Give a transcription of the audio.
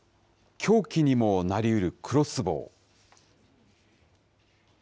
凶器にもなりうるクロスボウ。